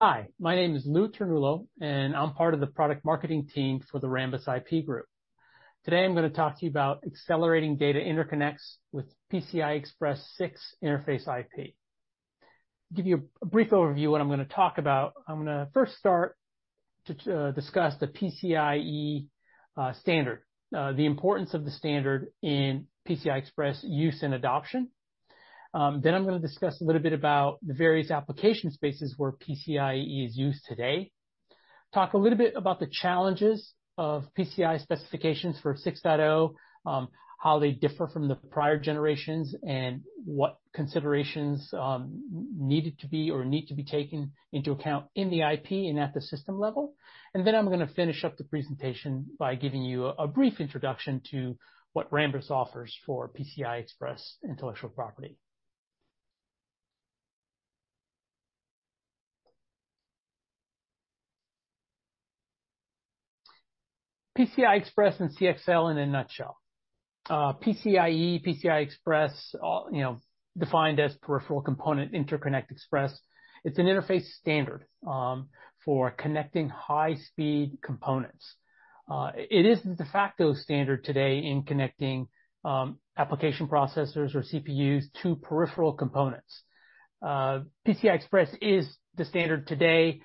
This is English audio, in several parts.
Hi, my name is Lou Ternullo, and I'm part of the product marketing team for the Rambus IP Group. Today, I'm gonna talk to you about accelerating data interconnects with PCI Express 6 Interface IP. Give you a brief overview of what I'm gonna talk about. I'm gonna first start to discuss the PCIe standard, the importance of the standard in PCI Express use and adoption. I'm gonna discuss a little bit about the various application spaces where PCIe is used today. Talk a little bit about the challenges of PCI specifications for 6.0. How they differ from the prior generations and what considerations needed to be or need to be taken into account in the IP and at the system level. I'm gonna finish up the presentation by giving you a brief introduction to what Rambus offers for PCI Express intellectual property. PCI Express and CXL in a nutshell. PCIe, PCI Express, all, you know, defined as Peripheral Component Interconnect Express. It's an interface standard for connecting high-speed components. It is the de facto standard today in connecting application processors or CPUs to peripheral components. PCI Express is the standard today.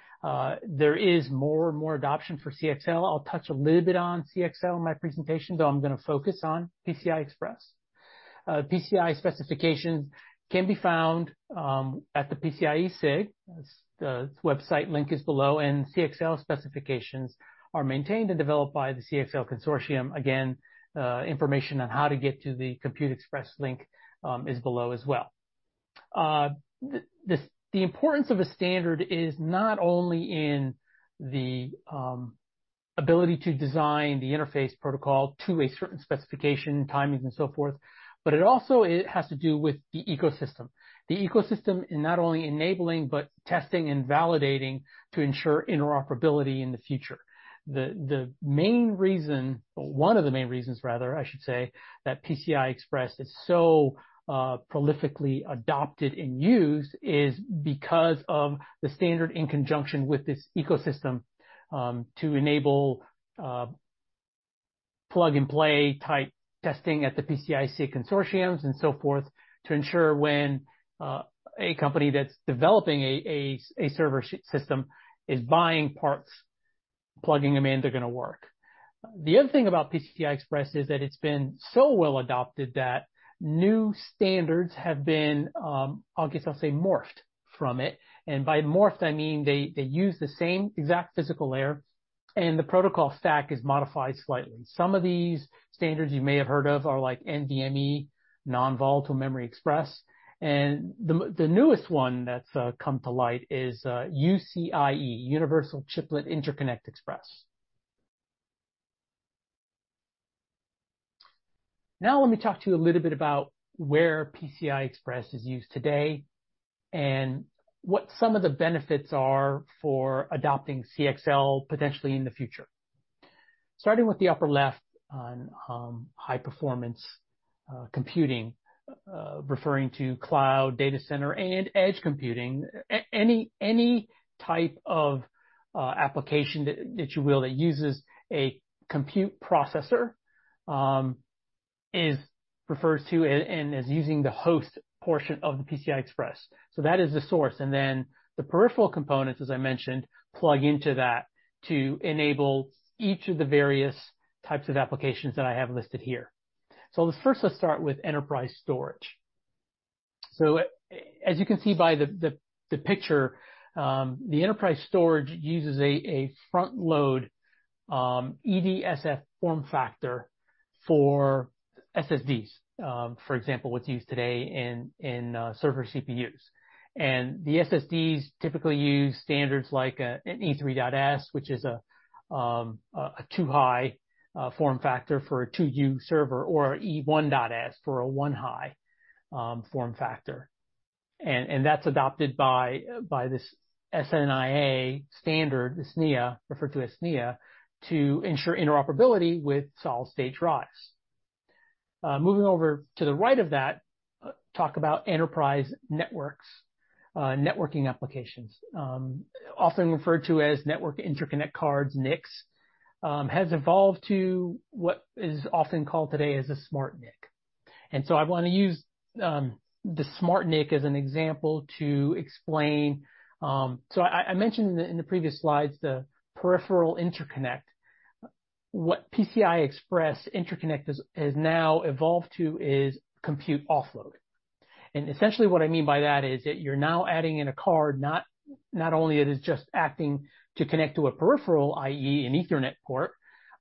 There is more and more adoption of CXL. I'll touch a little bit on CXL in my presentation, though I'm gonna focus on PCI Express. PCI specifications can be found at the PCI-SIG. The website link is below, and CXL specifications are maintained and developed by the CXL Consortium. Again, information on how to get to the Compute Express Link is below as well. This, the importance of a standard is not only in the ability to design the interface protocol to a certain specification, timings, and so forth, but it also, has to do with the ecosystem. The ecosystem not only enables but testing and validates to ensure interoperability in the future. The main reason, or one of the main reasons rather, I should say, that PCI Express is so prolifically adopted and used is because of the standard in conjunction with this ecosystem to enable plug-and-play type testing at the PCI-SIG consortiums and so forth to ensure when a company that's developing a server system is buying parts, plugging them in, they're gonna work. The other thing about PCI Express is that it's been so well adopted that new standards have been, I guess I'll say morphed from it. By morphed, I mean they use the same exact physical layer and, the protocol stack is modified slightly. Some of these standards you may have heard of are like NVMe, Non-Volatile Memory Express. The newest one that's come to light is UCIe, Universal Chiplet Interconnect Express. Let me talk to you a little bit about where PCI Express is used today and what some of the benefits are for adopting CXL potentially in the future. Starting with the upper left on high performance computing, referring to cloud data center and edge computing, any type of application that you will that uses a compute processor, is refers to and is using the host portion of the PCI Express. That is the source. The peripheral components, as I mentioned, plug into that to enable each of the various types of applications that I have listed here. Let's first let's start with enterprise storage. As you can see by the picture, the enterprise storage uses a front-load EDSFF form factor for SSDs, for example, what's used today in server CPUs. The SSDs typically use standards like an E3.S, which is a 2-high form factor for a 2U server, or E1.S for a 1-high form factor. That's adopted by this SNIA standard, SNIA, referred to as SNIA, to ensure interoperability with solid-state drives. Moving over to the right of that, talk about enterprise networks, networking applications, often referred to as network interconnect cards, NICs, have evolved to what is often called today as a SmartNIC. I wanna use the SmartNIC as an example to explain. I mentioned in the previous slides the peripheral interconnect. What PCI Express interconnect has now evolved to is compute offload. Essentially, what I mean by that is that you're now adding in a card, not only is it just acting to connect to a peripheral, i.e., an Ethernet port,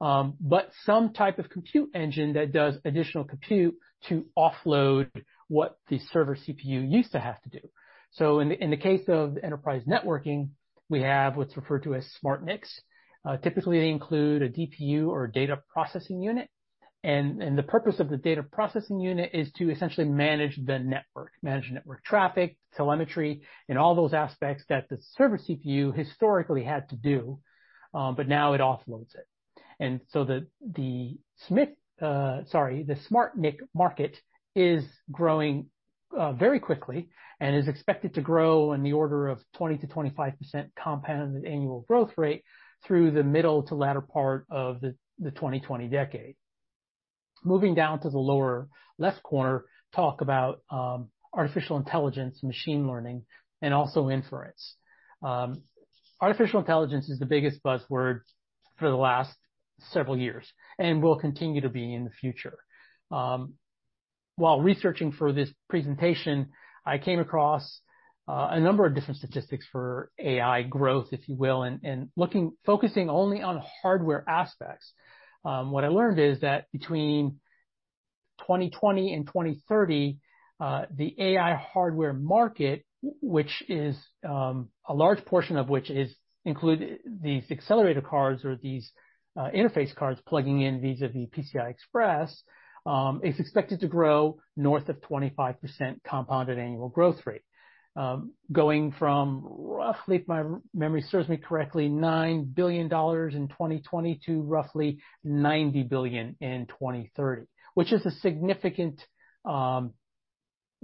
but some type of compute engine that does additional compute to offload what the server CPU used to have to do. In the case of enterprise networking, we have what's referred to as SmartNICs. Typically, they include a DPU or a data processing unit. The purpose of the data processing unit is to essentially manage the network, manage network traffic, telemetry, and all those aspects that the server CPU historically had to do, but now it offloads it. The SmartNIC market is growing very quickly and is expected to grow in the order of 20%-25% compounded annual growth rate through the middle to latter part of the 2020 decade. Moving down to the lower left corner, talk about artificial intelligence, machine learning, and also inference. Artificial intelligence is the biggest buzzword for the last several years and will continue to be in the future. While researching for this presentation, I came across a number of different statistics for AI growth, if you will, and looking, focusing only on hardware aspects. What I learned is that between 2020 and 2030, the AI hardware market, which is a large portion of which is include these accelerator cards or these interface cards plugging in vis-à-vis PCI Express, is expected to grow north of 25% compounded annual growth rate. Going from roughly, if my memory serves me correctly, $9 billion in 2020 to roughly $90 billion in 2030, which is a significant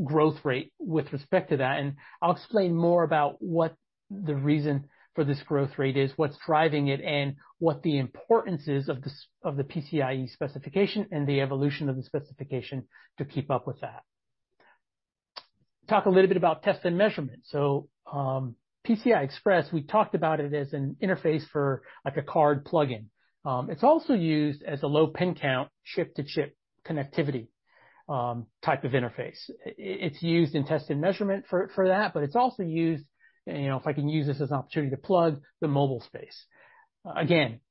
growth rate with respect to that. I'll explain more about what the reason for this growth rate is, what's driving it, and what the importance is of the PCIe specification and the evolution of the specification to keep up with that. Talk a little bit about test and measurement. PCI Express, we talked about it as an interface for like a card plugin. It's also used as a low pin count chip-to-chip connectivity, type of interface. It's used in test and measurement for that, but it's also used, you know, if I can use this as an opportunity to plug the mobile space.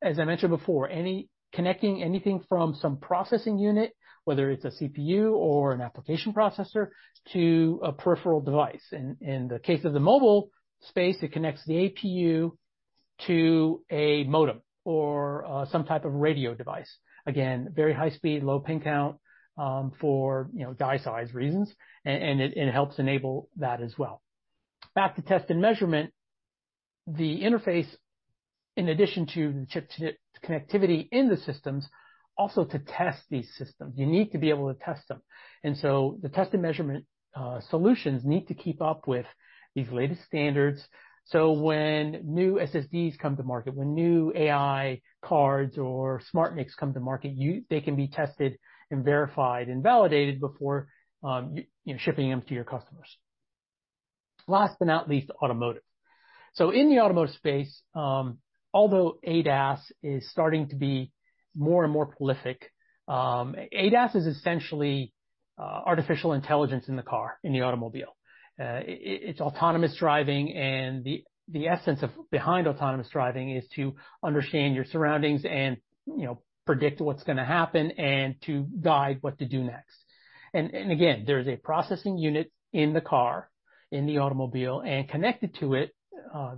As I mentioned before, any connecting anything from some processing unit, whether it's a CPU or an application processor, to a peripheral device. In the case of the mobile space, it connects the APU to a modem or some type of radio device. Again, very high speed, low pin count, for, you know, die size reasons, and it helps enable that as well. Back to test and measurement, the interface in addition to the chip-to-chip connectivity in the systems, also to test these systems, you need to be able to test them. The test and measurement solutions need to keep up with these latest standards. When new SSDs come to market, when new AI cards or SmartNICs come to market, they can be tested and verified and validated before, you know, shipping them to your customers. Last but not least, automotive. In the automotive space, although ADAS is starting to be more and more prolific, ADAS is essentially artificial intelligence in the car, in the automobile. It's autonomous driving, and the essence of behind autonomous driving is to understand your surroundings and you know, predict what's gonna happen and to guide what to do next. Again, there's a processing unit in the car, in the automobile, and connected to it,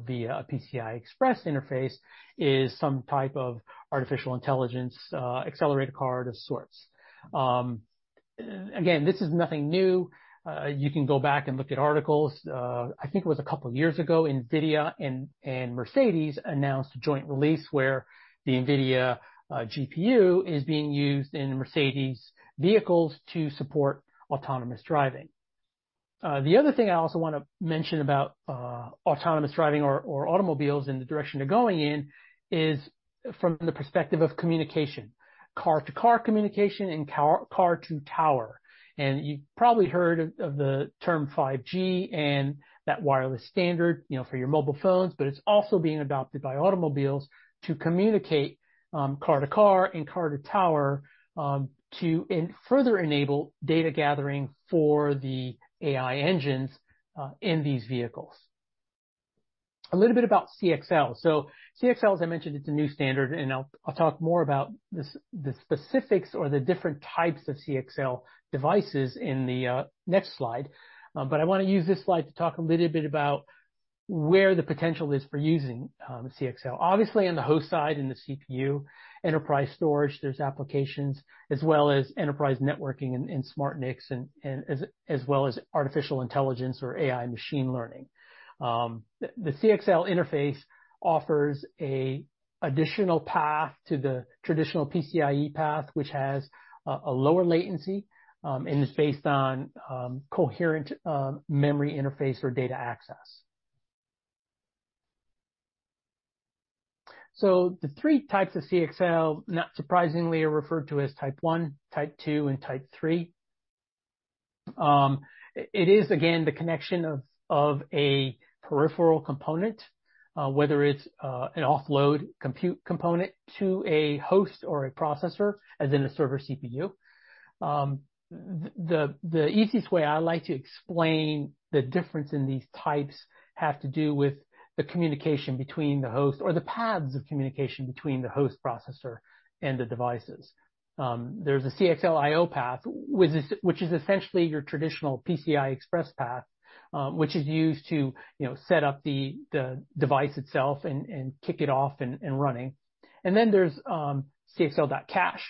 via a PCI Express interface is some type of artificial intelligence accelerator card of sorts. Again, this is nothing new. You can go back and look at articles. I think it was a couple years ago, NVIDIA and Mercedes announced a joint release where the NVIDIA GPU is being used in Mercedes vehicles to support autonomous driving. The other thing I also wanna mention about autonomous driving or automobiles and the direction they're going in is from the perspective of communication, car-to-car communication and car-to-tower. You probably heard of the term 5G and that wireless standard, you know, for your mobile phones, but it's also being adopted by automobiles to communicate car to car and car to tower to and further enable data gathering for the AI engines in these vehicles. A little bit about CXL. CXL, as I mentioned, it's a new standard, I'll talk more about the specifics or the different types of CXL devices in the next slide. I wanna use this slide to talk a little bit about where the potential is for using CXL. Obviously, on the host side, in the CPU, enterprise storage, there's applications as well as enterprise networking and SmartNICs as well as artificial intelligence or AI machine learning. The CXL interface offers a additional path to the traditional PCIe path, which has a lower latency, and is based on coherent memory interface or data access. The three types of CXL, not surprisingly, are referred to as type one, type two, and type three. It is again the connection of a peripheral component, whether it's an offload compute component to a host or a processor, as in a server CPU. The easiest way I like to explain the difference in these types have to do with the communication between the host or the paths of communication between the host processor and the devices. There's a CXL.io path, which is essentially your traditional PCI Express path, which is used to, you know, set up the device itself and kick it off and running. Then there's CXL.cache,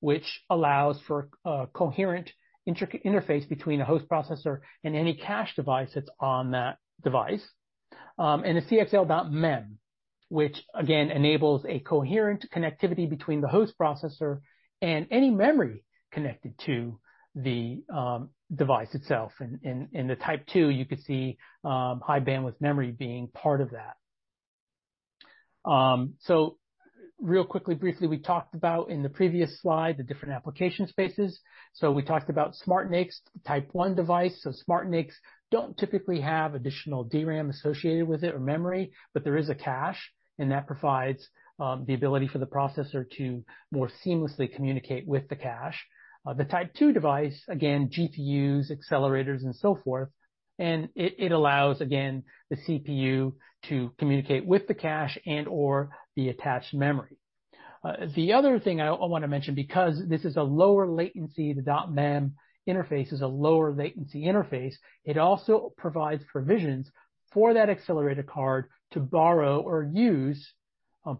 which allows for a coherent interface between a host processor and any cache device that's on that device. The CXL.mem, which again enables a coherent connectivity between the host processor and any memory connected to the device itself. The type two, you can see High Bandwidth Memory being part of that. Real quickly, briefly, we talked about in the previous slide the different application spaces. We talked about SmartNICs type one device. SmartNICs don't typically have additional DRAM associated with it or memory, but there is a cache, and that provides the ability for the processor to more seamlessly communicate with the cache. The type two device, again, GPUs, accelerators and so forth, and it allows again the CPU to communicate with the cache and or the attached memory. The other thing I wanna mention, because this is a lower latency, the .mem interface is a lower latency interface, it also provides provisions for that accelerator card to borrow or use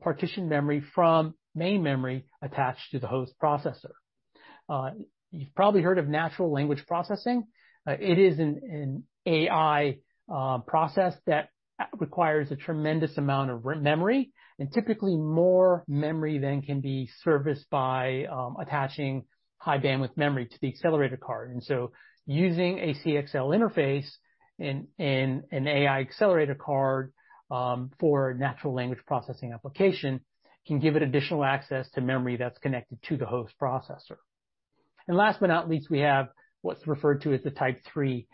partition memory from main memory attached to the host processor. You've probably heard of natural language processing. It is an AI process that requires a tremendous amount of memory, and typically more memory than can be serviced by attaching High Bandwidth Memory to the accelerator card. Using a CXL interface in an AI accelerator card; for natural language processing application can give it additional access to memory that's connected to the host processor. Last but not least, we have what's referred to as type three,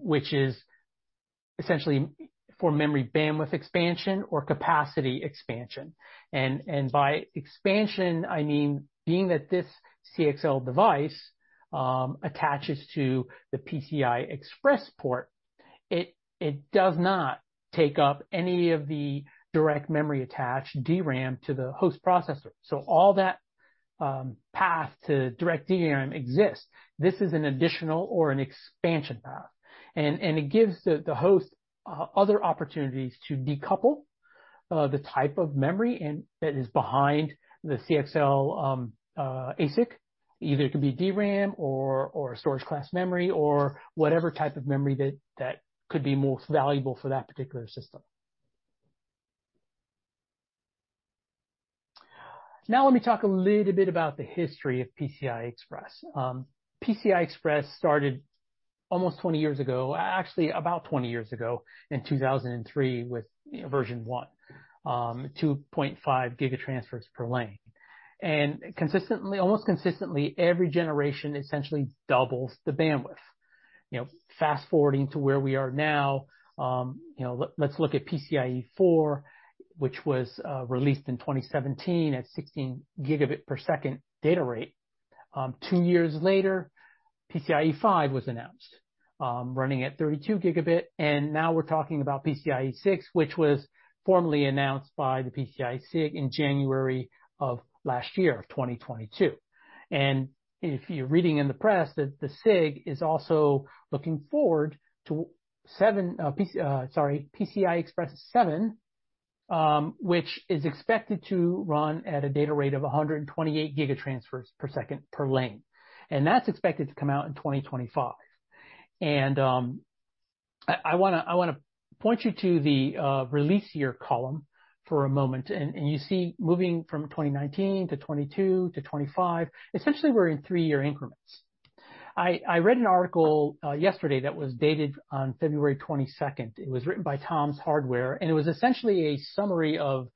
which is essentially for memory bandwidth expansion or capacity expansion. By expansion I mean being that this CXL device; attaches to the PCI Express port, it does not take up any of the direct memory attached DRAM to the host processor. All that, path to direct DRAM exists. This is an additional or an expansion path. It gives the host other opportunities to decouple, the type of memory and that is behind the CXL ASIC. Either it could be DRAM or storage-class memory, or whatever type of memory that could be most valuable for that particular system. Now let me talk a little bit about the history of PCI Express. PCI Express started almost 20 years ago, actually about 20 years ago in 2003, with, you know, version 1, 2.5 Gb transfers per lane. Consistently, almost consistently, every generation essentially doubles the bandwidth. You know, fast-forwarding to where we are now, you know, let's look at PCIe 4, which was released in 2017 at 16 Gb per second data rate. Two years later, PCIe 5 was announced, running at 32 Gb, and now we're talking about PCIe 6, which was formally announced by the PCI-SIG in January of last year, of 2022. If you're reading in the press, the PCI-SIG is also looking forward to 7, PCI Express 7, which is expected to run at a data rate of 128 Gb transfers per second per lane. That's expected to come out in 2025. I want to point you to the release year column for a moment. You see, moving from 2019 to 2022 to 2025, essentially, we're in three-year increments. I read an article yesterday that was dated February 22nd. It was written by Tom's Hardware, and it was essentially a summary of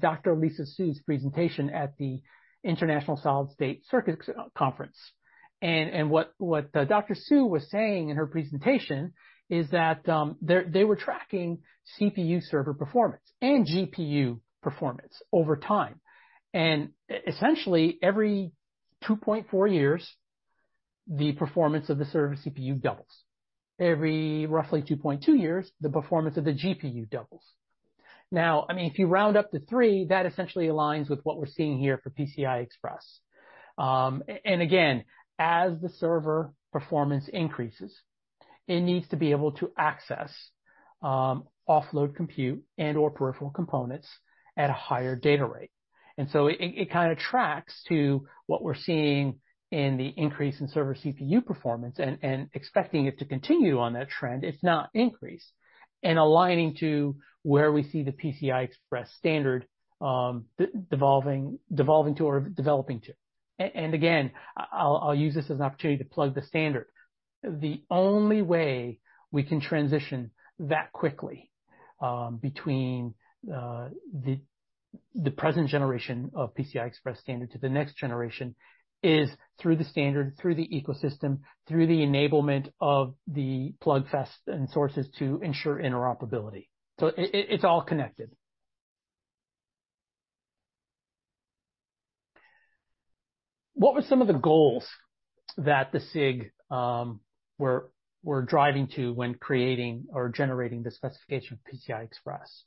Dr. Lisa Su's presentation at the International Solid-State Circuits Conference. What Dr. Su was saying in her presentation is that they were tracking CPU server performance and GPU performance over time. Essentially, every two point four years, the performance of the server CPU doubles. Every roughly two point two years, the performance of the GPU doubles. Now, I mean, if you round up to three, that essentially aligns with what we're seeing here for PCI Express. Again, as the server performance increases, it needs to be able to access offload compute and/or peripheral components at a higher data rate. So it kinda tracks to what we're seeing in the increase in server CPU performance and expecting it to continue on that trend if not increase, and aligning to where we see the PCI Express standard devolving to or developing to. Again, I'll use this as an opportunity to plug the standard. The only way we can transition that quickly, between the present generation of PCI Express standard to the next generation is through the standard, through the ecosystem, through the enablement of the plugfest and sources to ensure interoperability. It's all connected. What were some of the goals that the SIG were driving to when creating or generating the specification of PCI Express?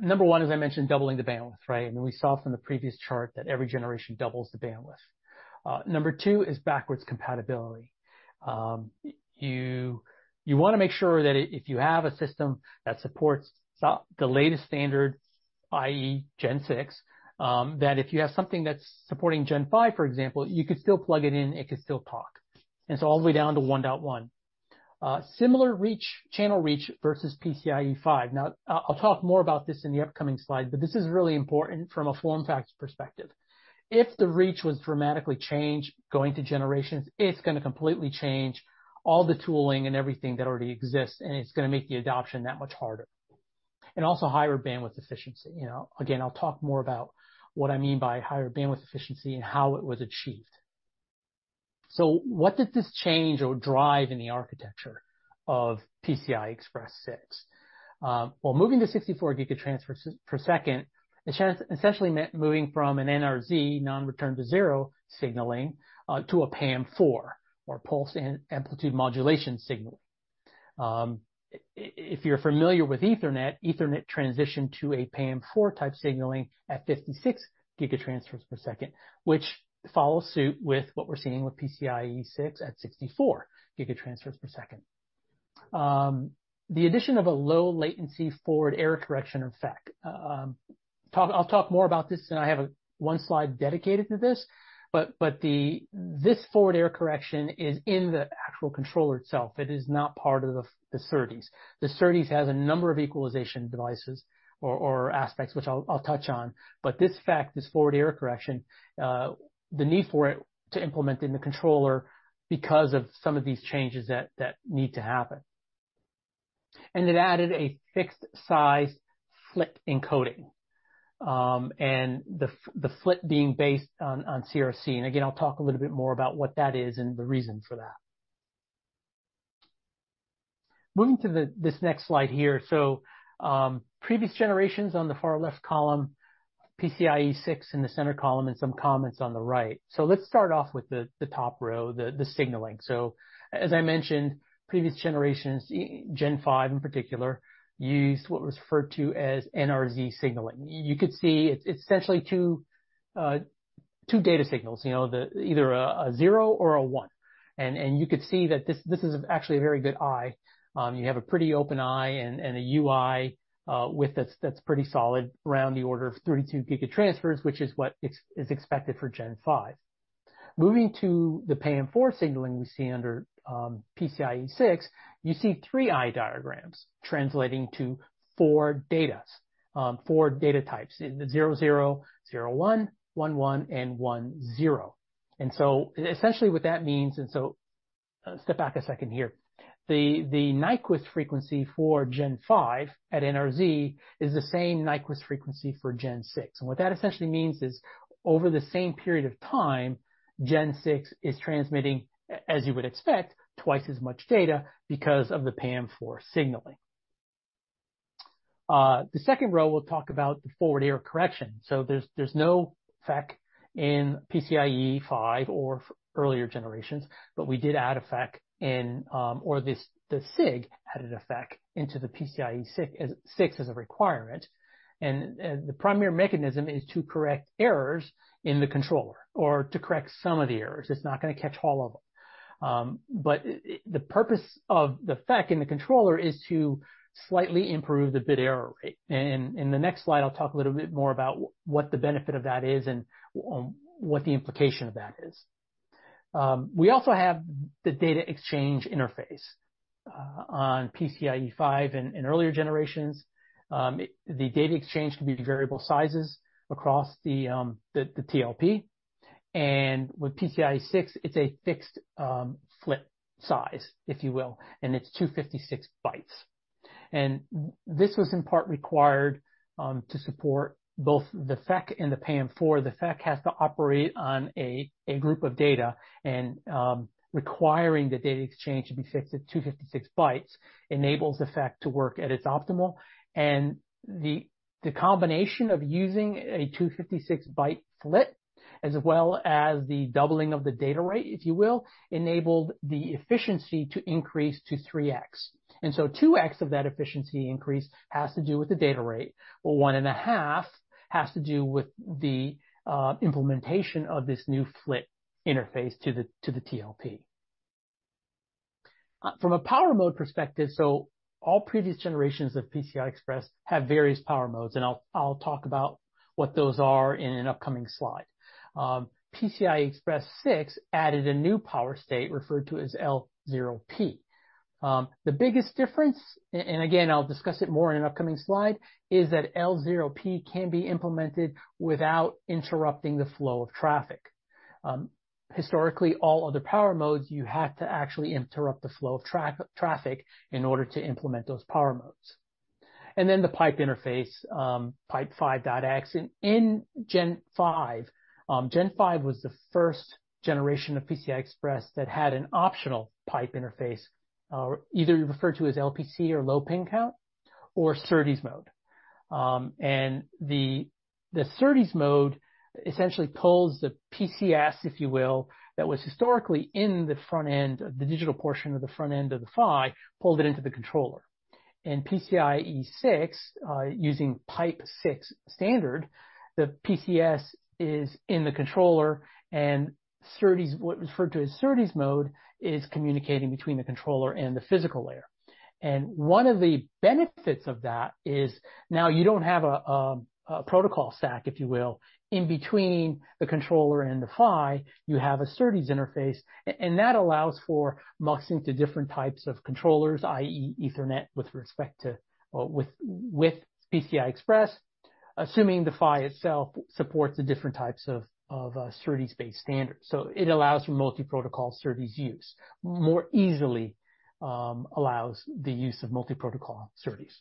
Number one, as I mentioned, doubling the bandwidth, right? I mean, we saw from the previous chart that every generation doubles the bandwidth. Number two is backwards compatibility. You wanna make sure that if you have a system that supports the latest standard, i.e., Gen six, that if you have something that's supporting Gen five, for example, you could still plug it in, it could still talk. All the way down to 1.1. Similar reach, channel reach versus PCIe 5. Now, I'll talk more about this in the upcoming slide, but this is really important from a form factor perspective. If the reach was dramatically changed going to generations, it's gonna completely change all the tooling and everything that already exists, and it's gonna make the adoption that much harder. Also higher bandwidth efficiency. You know, again, I'll talk more about what I mean by higher bandwidth efficiency and how it was achieved. What did this change or drive in the architecture of PCI Express 6? Well, moving to 64 Gb transfers per second, it essentially meant moving from an NRZ, non-return to zero signaling, to a PAM-4 or pulse and amplitude modulation signal. If you're familiar with Ethernet, transitioned to a PAM-4 type signaling at 56 Gb transfers per second, which follows suit with what we're seeing with PCIe 6 at 64 Gb transfers per second. The addition of a low-latency forward error correction or FEC. I'll talk more about this, and I have 1 slide dedicated to this. This forward error correction is in the actual controller itself. It is not part of the SERDES. The SERDES has a number of equalization devices or aspects, which I'll touch on. This FEC, this forward error correction, the need for it to implement in the controller because of some of these changes that need to happen. It added a fixed-size FLIT encoding, and the FLIT being based on CRC. Again, I'll talk a little bit more about what that is and the reason for that. Moving to the, this next slide here. Previous generations on the far left column, PCIe 6 in the center column, and some comments on the right. Let's start off with the top row, the signaling. As I mentioned, previous generations, Gen 5 in particular, used what was referred to as NRZ signaling. You could see it's essentially two data signals, you know, either a zero or a one. You could see that this is actually a very good eye. You have a pretty open eye and a UI with this that's pretty solid around the order of 32 Gb transfers, which is what is expected for Gen 5. Moving to the PAM-4 signaling we see under PCIe 6, you see three eye diagrams translating to four datas, four data types, the 00, 01, 11, and 10. Essentially, what that means, and so step back a second here. The Nyquist frequency for Gen 5 at NRZ is the same Nyquist frequency for Gen 6. What that essentially means is over the same period of time, Gen 6 is transmitting, as you would expect, twice as much data because of the PAM-4 signaling. The second row, we'll talk about the forward error correction. There's no FEC in PCIe 5 or earlier generations, but we did add a FEC in, or the SIG added a FEC into the PCIe 6 as a requirement. The primary mechanism is to correct errors in the controller or to correct some of the errors. It's not gonna catch all of them. But the purpose of the FEC in the controller is to slightly improve the bit error rate. In the next slide, I'll talk a little bit more about what the benefit of that is and what the implications of that is. We also have the data exchange interface on PCIe 5 and earlier generations. The data exchange can be of variable sizes across the TLP. With PCIe 6, it's a fixed FLIT size, if you will, and it's 256 bytes. This was in part required to support both the FEC and the PAM-4. The FEC has to operate on a group of data, requiring the data exchange to be fixed at 256 bytes enables the FEC to work at its optimal. The combination of using a 256-byte FLIT as well as the doubling of the data rate, if you will, enabled the efficiency to increase to 3X. Two X of that efficiency increase has to do with the data rate, and 1.5 has to do with the implementation of this new FLIT interface to the TLP. From a power mode perspective, all previous generations of PCI Express have various power modes, and I'll talk about what those are in an upcoming slide. PCI Express 6 added a new power state referred to as L0p. The biggest difference, and again, I'll discuss it more in an upcoming slide, is that L0p can be implemented without interrupting the flow of traffic. Historically, all other power modes, you had to actually interrupt the flow of traffic in order to implement those power modes. The PIPE interface, PIPE 5.x. In Gen 5, Gen 5 was the first generation of PCI Express that had an optional PIPE interface, either referred to as LPC or low pin count or SERDES mode. The SERDES mode essentially pulls the PCS, if you will, that was historically in the front end, the digital portion of the front end of the PHY, pulled it into the controller. In PCIe 6, using PIPE 6 standard, the PCS is in the controller, and SERDES, what referred to as SERDES mode, is communicating between the controller and the physical layer. One of the benefits of that is now you don't have a protocol stack, if you will, in between the controller and the PHY. You have a SERDES interface, and that allows for muxing to different types of controllers, i.e., Ethernet, or with PCI Express, assuming the PHY itself supports the different types of SERDES-based standards. So it allows for multi-protocol SERDES use. More easily, allows the use of multi-protocol SERDES.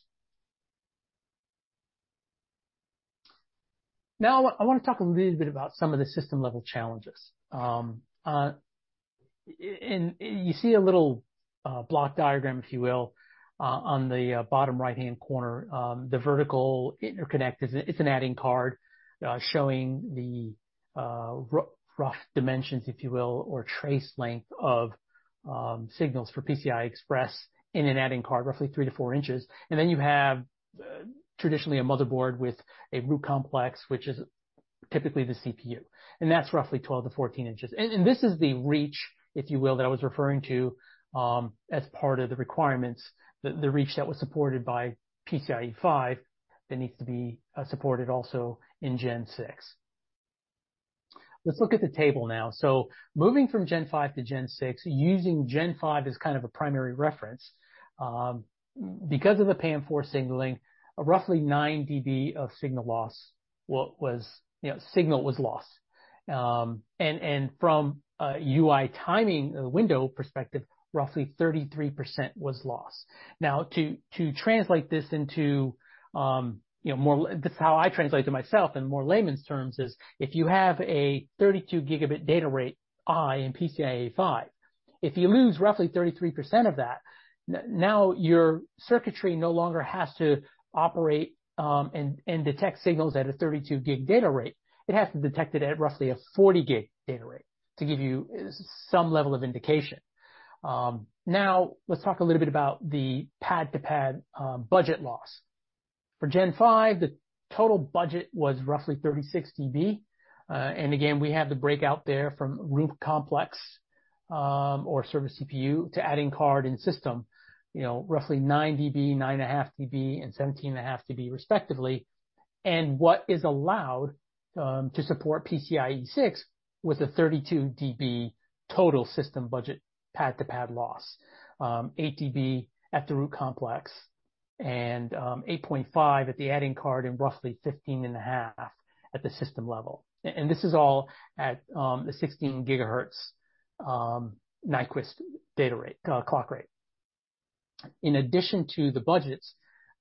I wanna talk a little bit about some of the system-level challenges. And you see a little block diagram, if you will, on the bottom right-hand corner. The vertical interconnect is, it's an adding card, showing the rough dimensions, if you will, or trace length of signals for PCI Express in an adding card, roughly 3-4 inches. Then you have, traditionally a motherboard with a root complex, which is typically the CPU, and that's roughly 12-14 inches. This is the reach, if you will, that I was referring to, as part of the requirements, the reach that was supported by PCIe 5 that needs to be supported also in Gen 6. Let's look at the table now. Moving from Gen 5 to Gen 6, using Gen 5 as kind of a primary reference, because of the PAM-4 signaling, roughly 9 dB of signal loss was, you know, signal was lost. From a UI timing window perspective, roughly 33% was lost. Now, to translate this into, you know, that's how I translate to myself in more layman's terms is, if you have a 32 Gb data rate eye in PCIe 5, if you lose roughly 33% of that, now your circuitry no longer has to operate, and detect signals at a 32 Gb data rate. It has to detect it at roughly a 40 Gb data rate, to give you some level of indication. Now let's talk a little bit about the pad-to-pad budget loss. For Gen 5, the total budget was roughly 36 dB. Again, we have the breakout there from root complex, or server CPU to adding card and system. You know, roughly 9 dB, 9.5 dB, and 17.5 dB respectively. What is allowed to support PCIe 6 was a 32 dB total system budget pad-to-pad loss, 8 dB at the root complex, and 8.5 at the adding card and roughly 15.5 at the system level. This is all at the 16 gigahertz Nyquist data rate, clock rate. In addition to the budgets,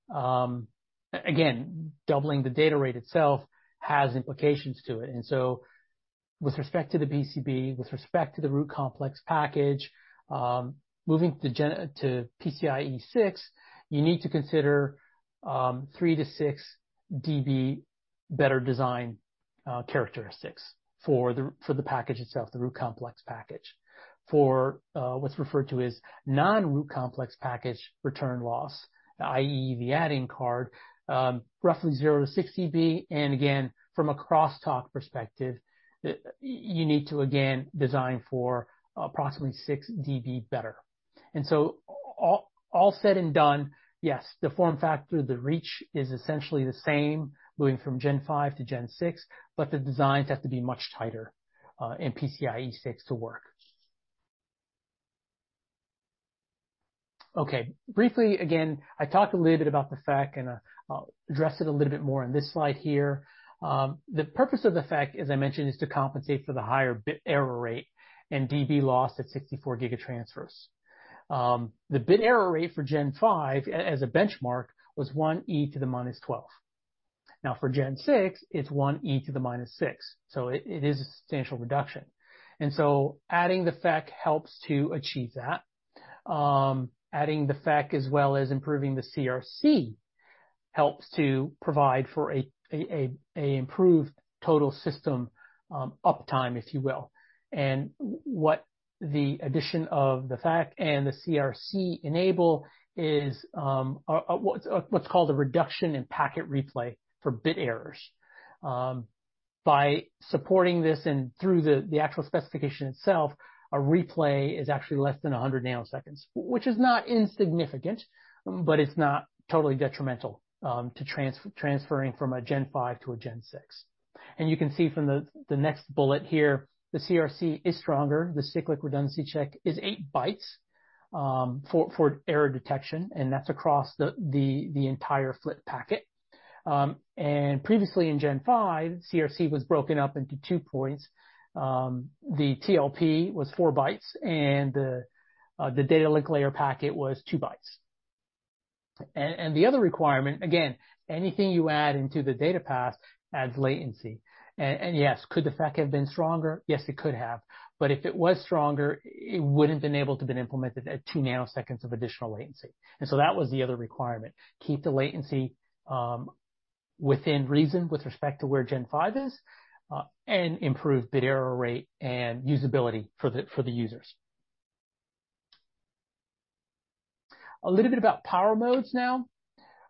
again, doubling the data rate itself has implications to it. With respect to the BCB, with respect to the root complex package, moving to PCIe 6, you need to consider 3-6 dB better design characteristics for the, for the package itself, the root complex package. For what's referred to as non-root complex package return loss, i.e., the adding card, roughly 0 to 6 dB. Again, from a crosstalk perspective, you need to again design for approximately 6 dB better. All said and done, yes, the form factor, the reach is essentially the same moving from Gen 5 to Gen 6, but the designs have to be much tighter in PCIe 6 to work. Okay. Briefly, again, I talked a little bit about the FEC, and I'll address it a little bit more on this slide here. The purpose of the FEC, as I mentioned, is to compensate for the higher bit error rate and dB loss at 64 Gbps transfers. The bit error rate for Gen 5 as a benchmark was 1 E to the minus 12. For Gen 6, it's 1E-6, so it is a substantial reduction. Adding the FEC helps to achieve that. Adding the FEC as well as improving the CRC helps to provide for an improved total system uptime, if you will. What the addition of the FEC and the CRC enable is what's called a reduction in packet replay for bit errors. By supporting this and through the actual specification itself, a replay is actually less than 100 nanoseconds, which is not insignificant, but it's not totally detrimental to transferring from a Gen 5 to a Gen 6. You can see from the next bullet here, the CRC is stronger. The cyclic redundancy check is 8 bytes for error detection, and that's across the entire FLIT packet. Previously in Gen 5, CRC was broken up into two points. The TLP was 4 bytes, and the data link layer packet was 2 bytes. The other requirement, again, anything you add to the data path adds latency. Yes, could the FEC have been stronger? Yes, it could have. If it were stronger, it wouldn't been able to be implemented at 2 nanoseconds of additional latency. That was the other requirement: keep the latency within reason with respect to where Gen 5 is, and improve bit error rate and usability for the users. A little bit about power modes now.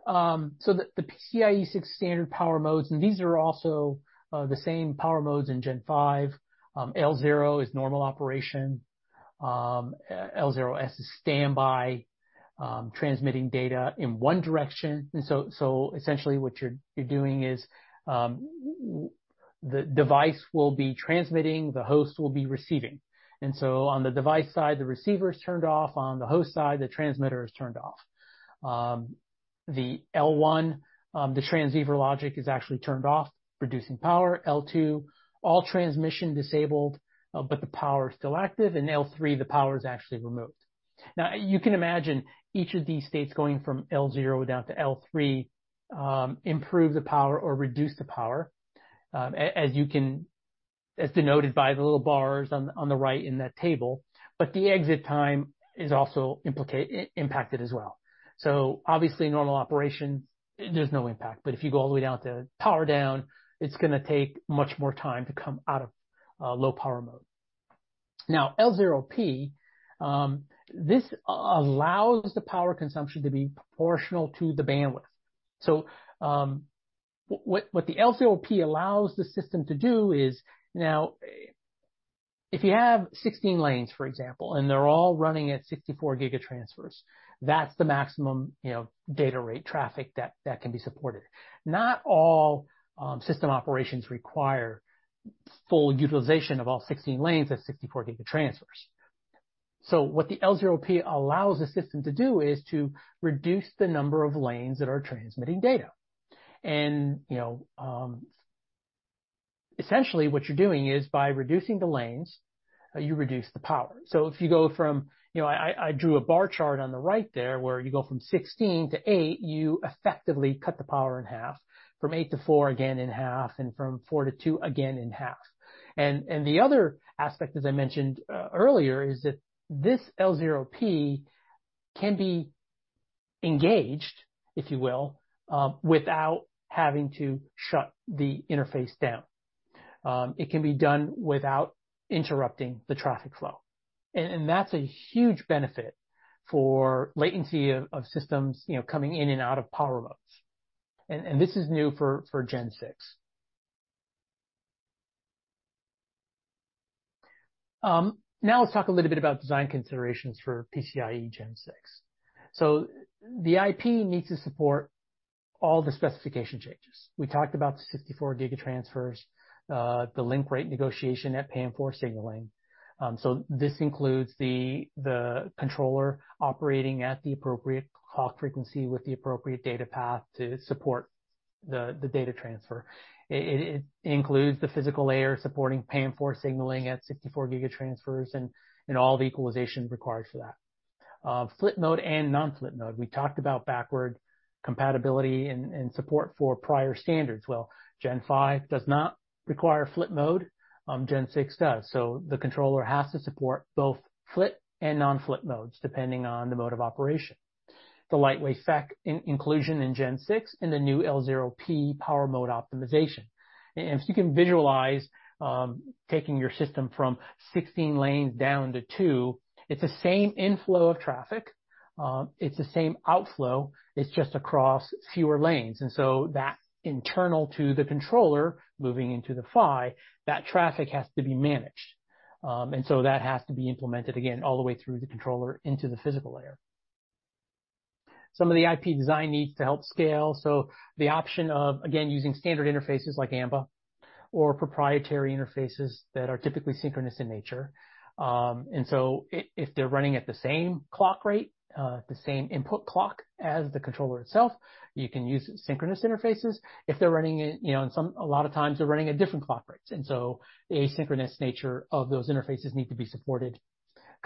The PCIe 6 standard power modes, these are also the same power modes in Gen 5. L0 is normal operation. L0S is standby, transmitting data in one direction. Essentially, what you're doing is the device will be transmitting, the host will be receiving. On the device side, the receiver's turned off. On the host side, the transmitter is turned off. The L1, the transceiver logic, is actually turned off, reducing power. L2, all transmission disabled, the power is still active. L3, the power is actually removed. You can imagine each of these states going from L0 down to L3, improve the power or reduce the power, as denoted by the little bars on the right in that table, but the exit time is also impacted as well. Obviously, normal operation, there's no impact. If you go all the way down to power down, it's gonna take much more time to come out of low power mode. L0P allows the power consumption to be proportional to the bandwidth. What the L0P allows the system to do is now if you have 16 lanes, for example, and they're all running at 64 giga transfers, that's the maximum, you know, data rate traffic that can be supported. Not all system operations require full utilization of all 16 lanes at 64 giga transfers. What the L0p allows the system to do is to reduce the number of lanes that are transmitting data. You know, essentially, what you're doing is by reducing the lanes, you reduce the power. If you go from, you know, I drew a bar chart on the right there, where you go from 16 to 8, you effectively cut the power in half. From 8 to 4, again in half, and from 4 to 2, again in half. The other aspect, as I mentioned earlier, is that this L0p can be engaged, if you will, without having to shut the interface down. It can be done without interrupting the traffic flow. That's a huge benefit for latency of systems, you know, coming in and out of power modes. This is new for Gen 6. Now let's talk a little bit about design considerations for PCIe Gen 6. The IP needs to support all the specification changes. We talked about the 64 giga transfers, the link rate negotiation at PAM-4 signaling. This includes the controller operating at the appropriate clock frequency with the appropriate data path to support the data transfer. It includes the physical layer supporting PAM-4 signaling at 64 giga transfers and all the equalization required for that. Flip mode and non-flip mode. We talked about backward compatibility and support for prior standards. Gen 5 does not require flip mode, Gen 6 does. The controller has to support both flip and non-flip modes depending on the mode of operation. The lightweight FEC inclusion in Gen 6 and the new L0p power mode optimization. If you can visualize taking your system from 16 lanes down to 2, it's the same inflow of traffic, it's the same outflow, it's just across fewer lanes. That internal to the controller moving into the PHY, that traffic has to be managed. That has to be implemented all the way through the controller into the physical layer. Some of the IP design needs to help scale. The option of, again, using standard interfaces like AMBA or proprietary interfaces that are typically synchronous in nature. If they're running at the same clock rate, the same input clock as the controller itself, you can use synchronous interfaces. If they're running a lot of times they're running at different clock rates, the asynchronous nature of those interfaces need to be supported.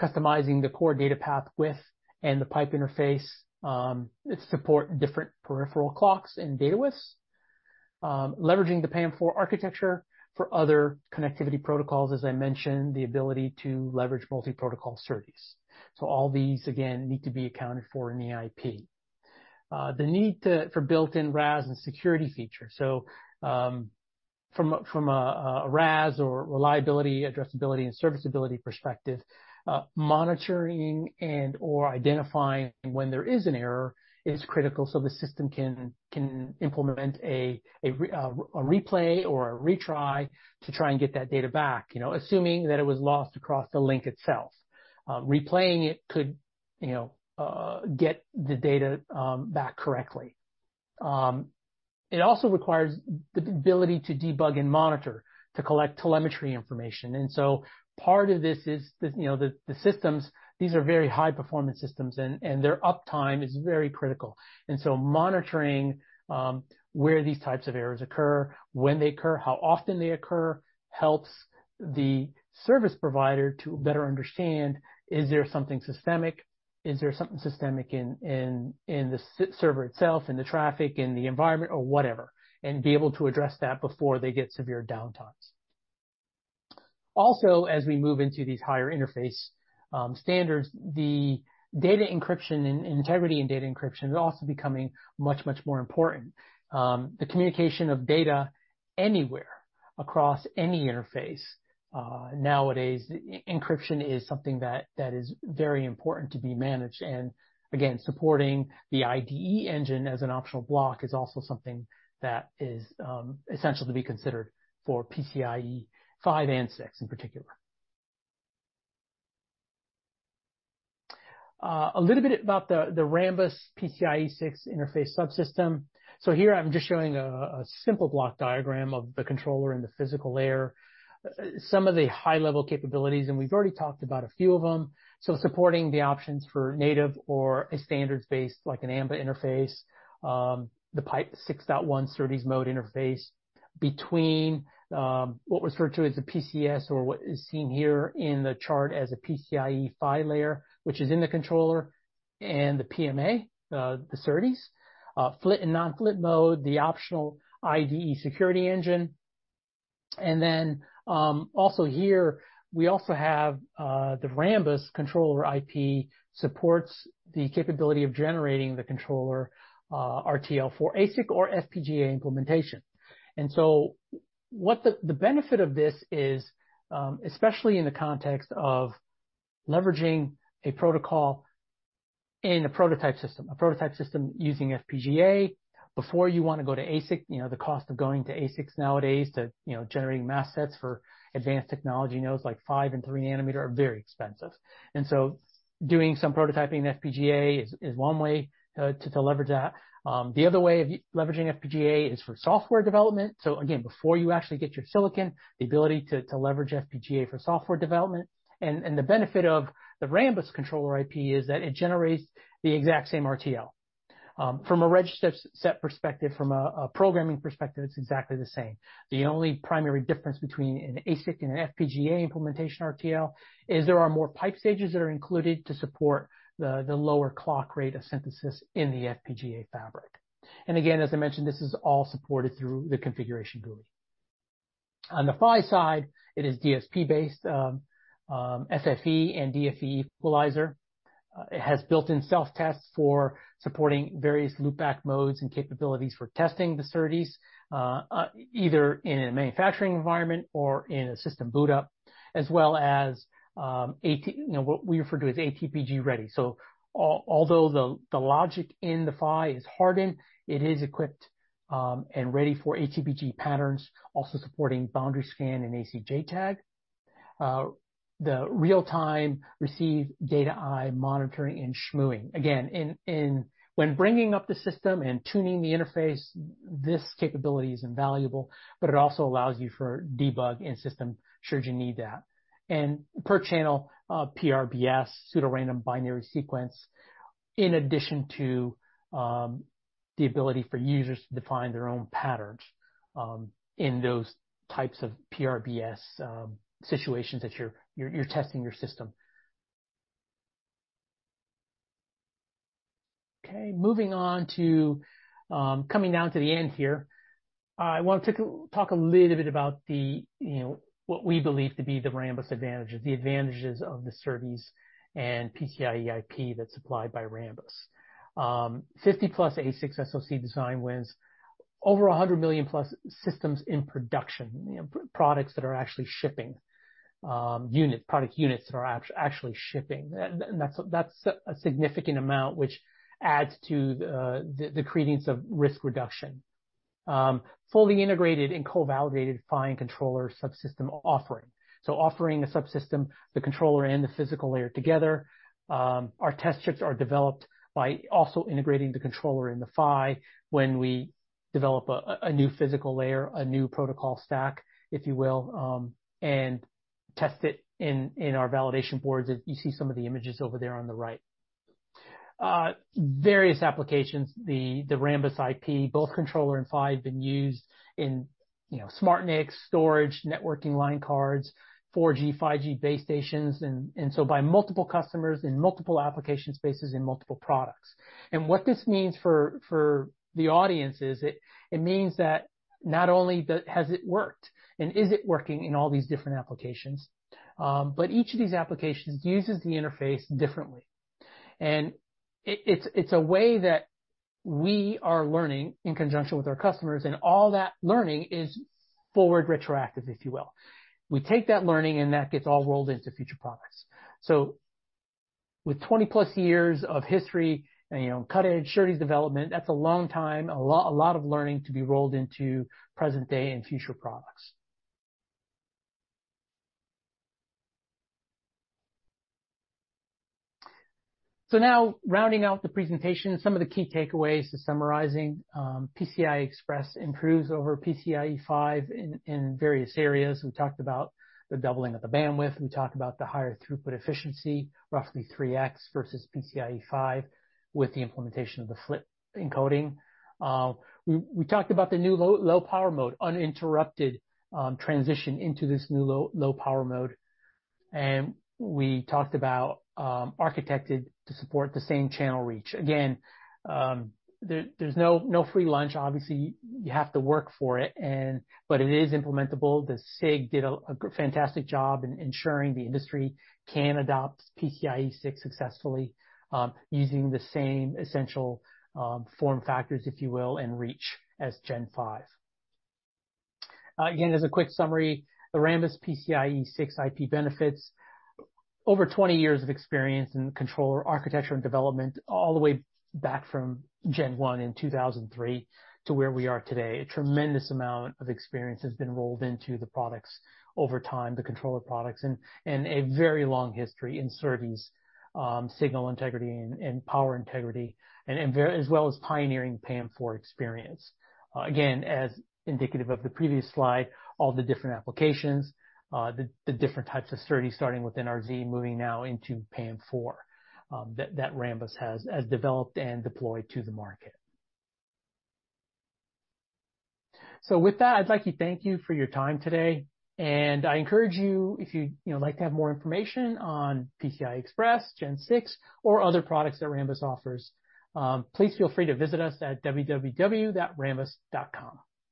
Customizing the core data path width and the PIPE interface, it support different peripheral clocks and data widths. Leveraging the PAM-4 architecture for other connectivity protocols, as I mentioned, the ability to leverage multi-protocol SERDES. All these again need to be accounted for in the IP. For built-in RAS and security features. From a RAS or reliability, addressability, and serviceability perspective, monitoring and/or identifying when there is an error is critical so the system can implement a replay or a retry to try and get that data back, you know, assuming that it was lost across the link itself. Replaying it could, you know, get the data back correctly. It also requires the ability to debug and monitor, to collect telemetry information. Part of this is the, you know, the systems, these are very high-performance systems and their uptime is very critical. Monitoring where these types of errors occur, when they occur, how often they occur, helps the service provider to better understand, is there something systemic? Is there something systemic in the server itself, in the traffic, in the environment or whatever, and be able to address that before they get severe downtimes. Also, as we move into these higher interface standards, the data encryption and integrity and data encryption is also becoming much, much more important. The communication of data anywhere across any interface, nowadays, encryption is something that is very important to be managed. Again, supporting the IDE engine as an optional block is also something that is essential to be considered for PCIe 5 and 6 in particular. A little bit about the Rambus PCIe 6 interface subsystem. So here I'm just showing a simple block diagram of the controller and the physical layer. Some of the high-level capabilities, and we've already talked about a few of them. Supporting the options for native or a standards-based like an AMBA interface, the pipe 6.1 SerDes mode interface between what we refer to as a PCS or what is seen here in the chart as a PCIe PHY layer, which is in the controller and the PMA, the SerDes. FLIT and non-FLIT mode, the optional IDE security engine. Also here we also have the Rambus controller IP supports the capability of generating the controller RTL for ASIC or FPGA implementation. The benefit of this is, especially in the context of leveraging a protocol in a prototype system, a prototype system using FPGA before you wanna go to ASIC. You know, the cost of going to ASICs nowadays to, you know, generating mask sets for advanced technology nodes like five and three nanometer are very expensive. Doing some prototyping in FPGA is one way to leverage that. The other way of leveraging FPGA is for software development. Again, before you actually get your silicon, the ability to leverage FPGA for software development. The benefit of the Rambus controller IP is that it generates the exact same RTL. From a register set perspective, from a programming perspective, it's exactly the same. The only primary difference between an ASIC and an FPGA implementation RTL is there are more pipe stages that are included to support the lower clock rate of synthesis in the FPGA fabric. Again, as I mentioned, this is all supported through the configuration GUI. On the PHY side, it is DSP-based, FFE and DFE equalizer. It has built-in self-tests for supporting various loopback modes and capabilities for testing the SERDES, either in a manufacturing environment or in a system boot up, as well as, you know, what we refer to as ATPG-ready. Although the logic in the PHY is hardened, it is equipped and ready for ATPG patterns, also supporting boundary scan and AC-JTAG. The real-time receive data eye monitoring and schmooing. When bringing up the system and tuning the interface, this capability is invaluable, but it also allows you for debug the system should you need that. Per channel, PRBS pseudo-random binary sequence, in addition to the ability for users to define their own patterns in those types of PRBS situations that you're testing your system. Moving on to coming down to the end here. I want to talk a little bit about the, you know, what we believe to be the Rambus advantages, the advantages of the SerDes and PCIe IP that's supplied by Rambus. 50-plus ASICs SoC design wins, over 100 million-plus systems in production, you know, products that are actually shipping, units, product units that are actually shipping. That's a significant amount, which adds to the credence of risk reduction. Fully integrated and co-validated PHY and controller subsystem offering. Offering a subsystem, the controller and the physical layer together. Our test chips are developed by also integrating the controller in the PHY when we develop a new physical layer, a new protocol stack, if you will, and test it in our validation boards, as you see some of the images over there on the right. Various applications, the Rambus IP, both controller and PHY have been used in, you know, SmartNICs, storage, networking line cards, 4G, 5G base stations, and so by multiple customers in multiple application spaces in multiple products. What this means for the audience is it means that not only has it worked and is it working in all these different applications, but each of these applications uses the interface differently. It's a way that we are learning in conjunction with our customers, and all that learning is forward retroactive, if you will. We take that learning and that gets all rolled into future products. With 20-plus years of history and, you know, cutting-edge SerDes development, that's a long time, a lot of learning to be rolled into present day and future products. Now rounding out the presentation, some of the key takeaways to summarize;, PCI Express improves over PCIe 5 in various areas. We talked about the doubling of the bandwidth. We talked about the higher throughput efficiency, roughly 3x versus PCIe 5, with the implementation of the FLIT encoding. We talked about the new low power mode, uninterrupted transition into this new low-power mode. We talked about architecting to support the same channel reach. Again, there's no free lunch. Obviously, you have to work for it, and but it is implementable. The PCI-SIG did a fantastic job in ensuring the industry can adopt PCIe 6 successfully, using the same essential form factors, if you will, and reach Gen 5. Again, as a quick summary, the Rambus PCIe 6 IP benefits. Over 20 years of experience in controller architecture and development, all the way back from Gen 1 in 2003 to where we are today. A tremendous amount of experience has been rolled into the products over time, the controller products, and a very long history in SERDES, signal integrity and power integrity, as well as pioneering PAM-4 experience. As indicative of the previous slide, all the different applications, the different types of SERDES starting with NRZ moving now into PAM-4, that Rambus has developed and deployed to the market. With that, I'd like to thank you for your time today, and I encourage you, if you'd, you know, like to have more information on PCI Express Gen 6 or other products that Rambus offers, please feel free to visit us at www.rambus.com.